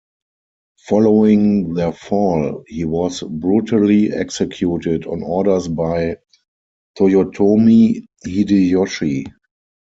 Following their fall, he was brutally executed on orders by Toyotomi Hideyoshi.